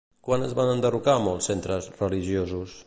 Quan es van enderrocar molts centres religiosos?